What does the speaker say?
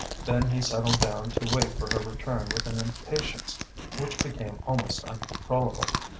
Then he settled down to wait for her return with an impatience which became almost uncontrollable.